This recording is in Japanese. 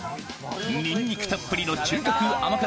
ニンニクたっぷりの中華風甘辛